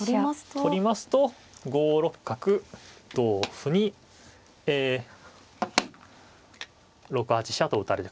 取りますと５六角同歩に６八飛車と打たれる。